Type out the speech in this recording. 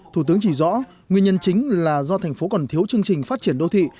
thủ tướng chỉ rõ nguyên nhân chính là do thành phố còn thiếu chương trình phát triển đô thị